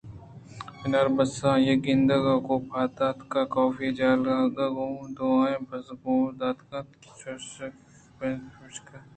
بناربس آئی ءِ گندگ ءَ گوں پاداتک کاف ءِ جہل ءِ آہگءَ گوں دوئیں بزگر پاد اتکاں ءُآئی ءَ چپ ءُچاگرد کرت اَنت پمشکا گیشترکاف ایشانی دیمءَ نہ کپیت